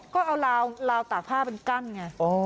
ก็เอาราวตากผ้าเป็นกั้นไง